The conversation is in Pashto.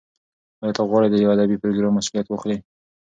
ایا ته غواړې د یو ادبي پروګرام مسولیت واخلې؟